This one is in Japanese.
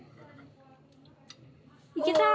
いけた！